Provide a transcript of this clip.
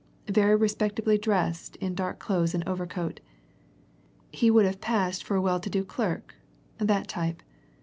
Very respectably dressed in dark clothes and overcoat. He would have passed for a well to do clerk that type.